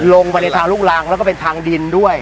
ลงไปในทางลูกรังแล้วก็เป็นทางดินด้วย